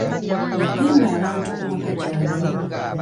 Yagamba abantu ku maka gy'ava.